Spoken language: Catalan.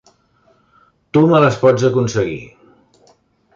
Tu me les pots aconseguir!